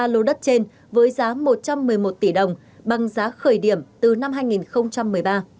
ba lô đất trên với giá một trăm một mươi một tỷ đồng bằng giá khởi điểm từ năm hai nghìn một mươi ba